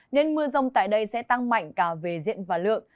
nên mưa rông tại đây sẽ tăng mạnh cả về diện và lượng